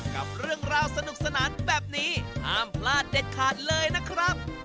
กับเรื่องราวสนุกสนานแบบนี้ห้ามพลาดเด็ดขาดเลยนะครับ